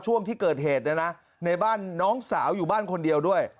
ช่วงที่เกิดเหตุเนี่ยนะในบ้านน้องสาวอยู่บ้านคนเดียวด้วย